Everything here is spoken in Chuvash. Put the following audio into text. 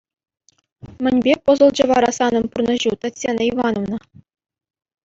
Мӗнпе пӑсӑлчӗ вара санӑн пурнӑҫу, Татьяна Ивановна?